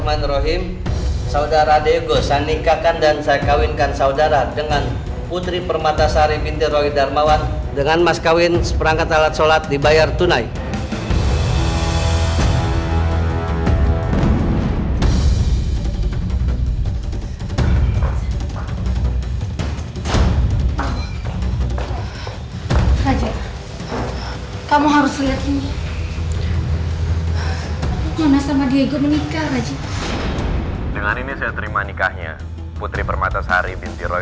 mana sama diego menikah raja dengan ini saya terima nikahnya putri permata sari binti roy